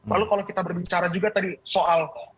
lalu kalau kita berbicara juga tadi soal